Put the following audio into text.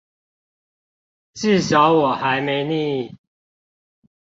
至少我還沒膩